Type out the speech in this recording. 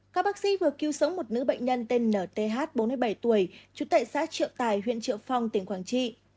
các bác sĩ vừa cứu sống một nữ bệnh nhân tên nth bốn mươi bảy tuổi trú tại xã triệu tài huyện triệu phong tỉnh quảng trị